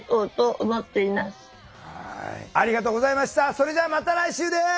それではまた来週です。